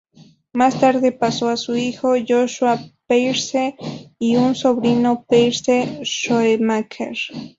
Más tarde pasó a su hijo, Joshua Peirce y un sobrino Peirce Shoemaker.